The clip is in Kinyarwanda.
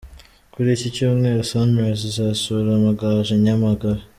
Kuri iki Cyumweru Sunrise izasura Amagaju i Nyamagabe.